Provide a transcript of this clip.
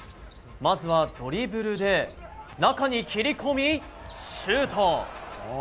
まずは、ドリブルで中に切り込み、シュート！